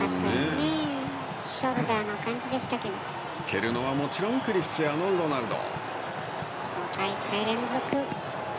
蹴るのはもちろんクリスチアーノ・ロナウド。